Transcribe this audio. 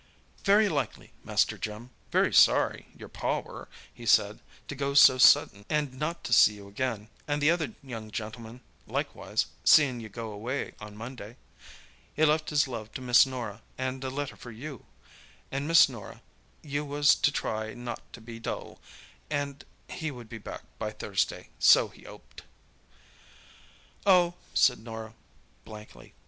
"Very like, Master Jim. Very sorry, your Pa were, he said, to go so suddint, and not to see you again, and the other young gentlemen likewise, seein' you go away on Monday. He left his love to Miss Norah, and a letter for you; and Miss Norah, you was to try not to be dull, and he would be back by Thursday, so he 'oped." "Oh," said Norah, blankly.